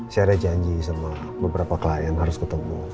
saya ada janji sama beberapa klien harus ketemu